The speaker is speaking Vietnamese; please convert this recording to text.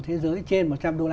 thế giới trên một trăm linh